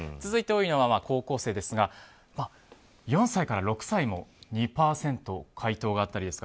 続いて多いのは高校生ですが４歳から６歳も２％、回答があったり。